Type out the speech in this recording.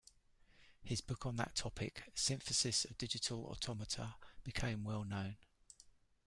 His book on that topic "Synthesis of Digital Automata" became well known.